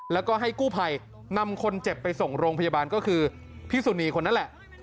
แล้วก็ให้กู้ภัยนำคนเจ็บไปส่งโรงพยาบาลก็คือพี่สุนีคนนั้นแหละ